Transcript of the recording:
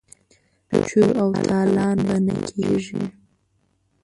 چور او تالان به نه کیږي.